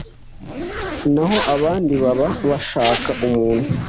naho abandi baba bashaka umuntu